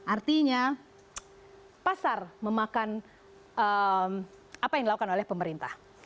artinya pasar memakan apa yang dilakukan oleh pemerintah